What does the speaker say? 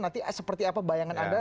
nanti seperti apa bayangan anda